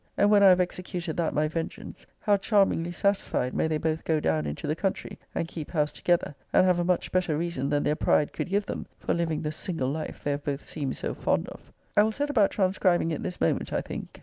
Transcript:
And when I have executed that my vengeance, how charmingly satisfied may they both go down into the country and keep house together, and have a much better reason than their pride could give them, for living the single life they have both seemed so fond of! I will set about transcribing it this moment, I think.